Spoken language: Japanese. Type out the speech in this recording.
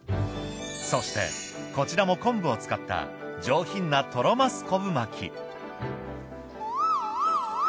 そしてこちらも昆布を使った上品なとろ鱒昆布巻。